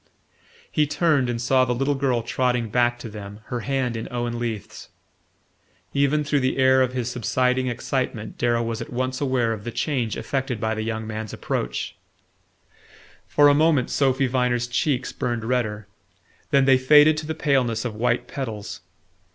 He turned and saw the little girl trotting back to them, her hand in Owen Leath's. Even through the stir of his subsiding excitement Darrow was at once aware of the change effected by the young man's approach. For a moment Sophy Viner's cheeks burned redder; then they faded to the paleness of white petals.